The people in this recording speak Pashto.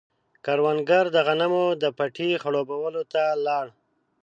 کروندګر د غنمو د پټي خړوبولو ته لاړ.